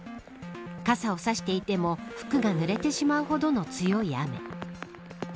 傘を差していても服がぬれてしまうほどの強い雨。